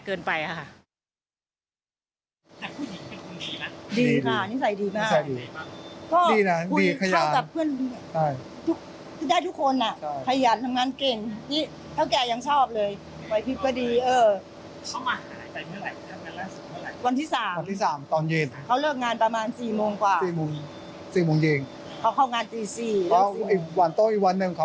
เขาอีกวันโต๊ะอีกวันหนึ่ง